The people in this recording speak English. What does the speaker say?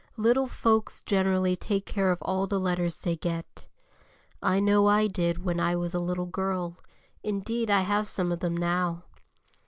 Little folks generally take care of all the letters they get. I know I did when I was a little girl, indeed I have some of them now.